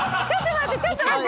ちょっと待って！